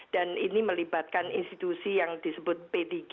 dan ini melibatkan institusi yang disebut p tiga yang mendapatkan suara sepuluh kursi lah